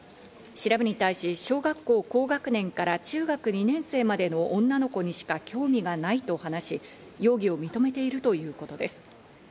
調べに対し小学校高学年から中学２年生までの女の子にしか興味がないと話し、容疑を認めているということです。